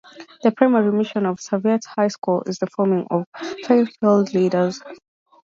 The primary mission of Servite High School is the forming of faith-filled leaders.